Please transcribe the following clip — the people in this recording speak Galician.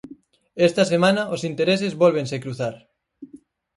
Esta semana, os intereses vólvense cruzar.